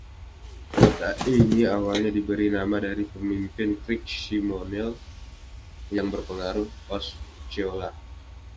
Kota ini awalnya diberi nama dari pemimpin Creek-Seminole yang berpengaruh Osceola.